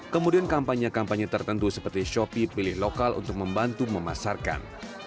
kemudian kampanye kampanye tertentu seperti shopee pilih lokal untuk membantu memasarkan